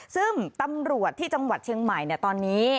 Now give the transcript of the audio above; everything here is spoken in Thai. ซึ่งตำรวจที่จังหวัดเชียงใหม่ตอนนี้